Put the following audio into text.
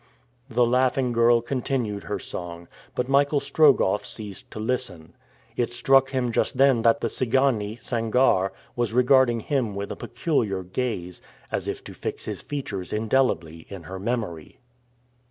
The laughing girl continued her song, but Michael Strogoff ceased to listen. It struck him just then that the Tsigane, Sangarre, was regarding him with a peculiar gaze, as if to fix his features indelibly in her memory.